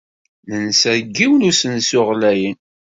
Nensa deg yiwen n usensu ɣlayen.